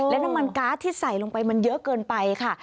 และน้ำมันการ์ดที่ใส่ลงไปมันเยอะเกินไปค่ะ